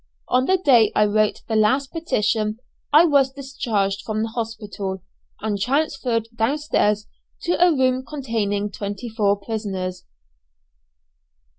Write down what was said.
On the day I wrote the last petition I was discharged from the hospital, and transferred down stairs to a room containing twenty four prisoners.